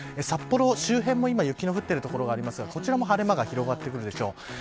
札幌周辺も今、雪の降っている所がありますがこちらも晴れ間が広がってくるでしょう。